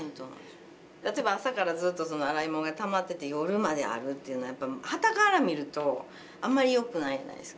例えば朝からずっと洗い物がたまってて夜まであるっていうのはやっぱはたから見るとあまりよくないじゃないですか。